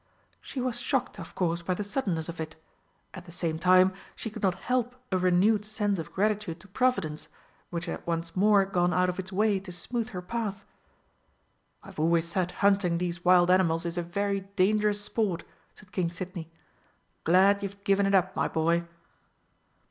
She was shocked, of course, by the suddenness of it. At the same time she could not help a renewed sense of gratitude to Providence, which had once more gone out of its way to smooth her path. "I've always said hunting these wild animals is a very dangerous sport," said King Sidney. "Glad you've given it up, my boy!"